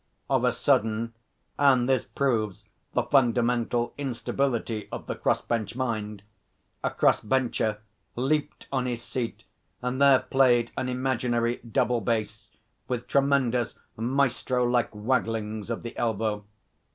Of a sudden (and this proves the fundamental instability of the cross bench mind) a cross bencher leaped on his seat and there played an imaginary double bass with tremendous maestro like wagglings of the elbow.